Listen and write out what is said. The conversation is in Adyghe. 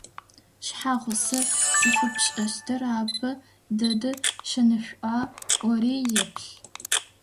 Шъхьагъусэ зыфэпшӏыщтыр апэ дэдэ шэнышӏуа ӏори еплъ.